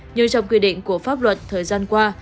như trong quy định của pháp luật thời gian qua